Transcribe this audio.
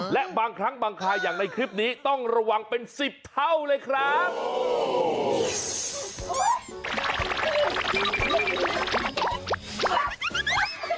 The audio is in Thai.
และบางครั้งบางคราอย่างในคลิปนี้ต้องระวังเป็น๑๐เท่าเลยครับ